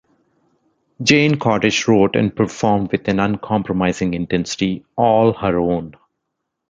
Jayne Cortez wrote and performed with an uncompromising intensity all her own.